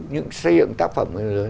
những xây dựng tác phẩm